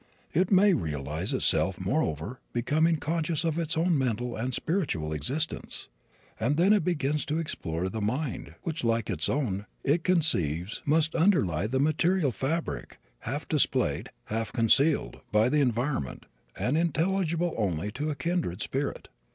It may realize itself, moreover, becoming conscious of its own mental and spiritual existence; and it then begins to explore the Mind which, like its own, it conceives must underlie the material fabric half displayed, half concealed, by the environment, and intelligible only to a kindred spirit.